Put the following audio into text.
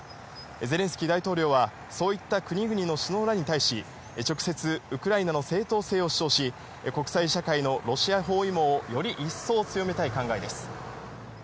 ゼレンスキー大統領は、そういった国々の首脳らに対し、直接、ウクライナの正当性を主張し、国際社会のロシア包囲網をより一層強めたい考えです。